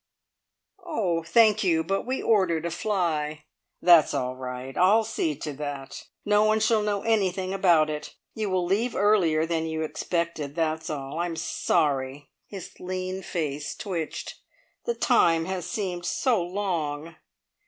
"Oh, thank you, but we ordered a fly." "That's all right. I'll see to that. No one shall know anything about it. You will leave earlier than you expected that's all. I'm sorry" his lean face twitched "the time has seemed so long!"